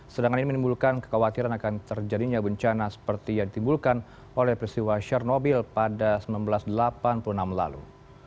sedangkan ini menimbulkan kekhawatiran akan terjadinya bencana seperti yang ditimbulkan oleh peristiwa shernobyl pada seribu sembilan ratus delapan puluh enam lalu